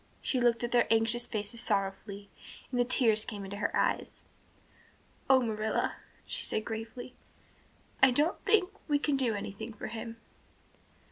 She looked at their anxious faces sorrowfully and the tears came into her eyes. "Oh, Marilla," she said gravely. "I don't think we can do anything for him."